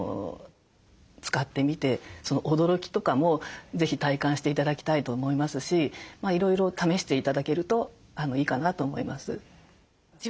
使ってみてその驚きとかも是非体感して頂きたいと思いますしいろいろ試して頂けるといいかなと思います。